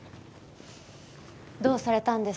どうされたんですか？